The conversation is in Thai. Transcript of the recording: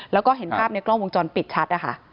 แล้วก็เห็นภาพในกล้องวงจรปิดชัดนะคะ